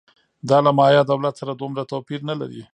دا له مایا دولت سره دومره توپیر نه لري